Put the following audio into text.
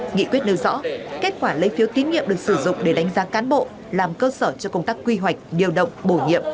nghị quyết nêu rõ kết quả lấy phiếu tín nhiệm được sử dụng để đánh giá cán bộ làm cơ sở cho công tác quy hoạch điều động bổ nhiệm